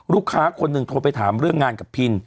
ลูกค้าคนหนึ่งโทรไปถามเรื่องงานกับพิน